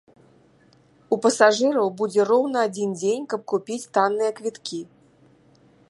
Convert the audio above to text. У пасажыраў будзе роўна адзін дзень, каб купіць танныя квіткі.